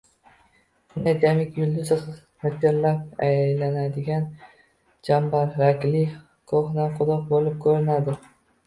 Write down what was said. Shunda jamiki yulduz g‘ichirlab aylanadigan chambarakli ko‘hna quduq bo‘lib ko‘rinadi.